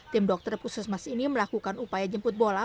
tim dokter khusus mas ini melakukan upaya jemput bola